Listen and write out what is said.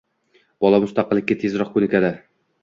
Bola mustaqillikka tezroq ko‘nikadi.